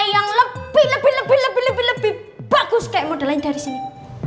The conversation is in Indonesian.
aku punya kriteria yang lebih lebih lebih lebih lebih bagus kayak modelnya dari sini